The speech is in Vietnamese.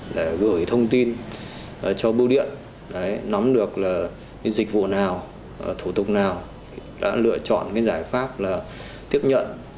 để gửi thông tin cho bưu điện